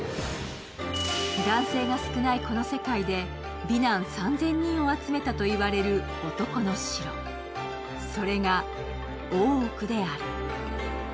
男性が少ない、この世界で美男３０００人を集めたといわれる男の城、それが大奥である。